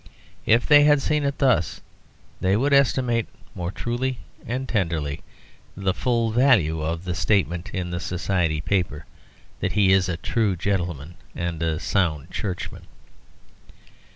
If they had seen it thus, they would estimate more truly and tenderly the full value of the statement in the Society paper that he is a true gentleman and a sound Churchman.